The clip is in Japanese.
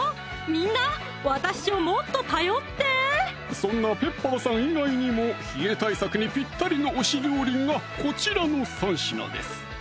そんなペッパーさん以外にも冷え対策にぴったりの推し料理がこちらの３品です